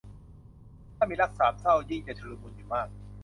ถ้ามีรักสามเส้ายิ่งจะชุลมุนอยู่มาก